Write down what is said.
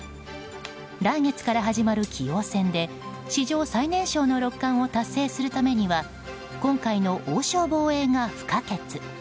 来月から始まる棋王戦で史上最年少の六冠を達成するためには今回の王将防衛が不可欠。